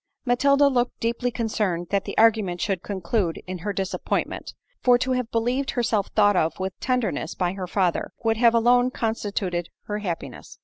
Matilda looked deeply concerned that the argument should conclude in her disappointment; for to have believed herself thought of with tenderness by her father, would have alone constituted her happiness.